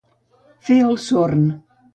Fer el sorn.